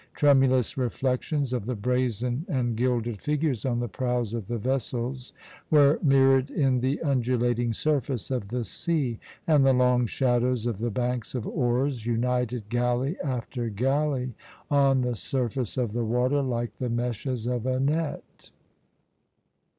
Tremulous reflections of the brazen and gilded figures on the prows of the vessels were mirrored in the undulating surface of the sea, and the long shadows of the banks of oars united galley after galley on the surface of the water like the meshes of a net.